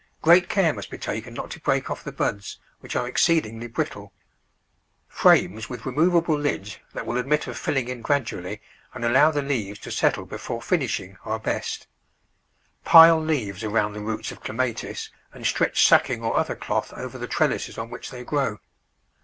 Great care must be taken not to break off the buds, which are exceedingly brittle. Frames with re movable lids that will admit of filling in gradually, Digitized by Google Nineteen] WVMtt JfrOteCttOtt *°7 and allow the leaves to settle before finishing, are best. Pile leaves around the roots of Clematis, and stretch sacking or other cloth over the trellises on which they grow.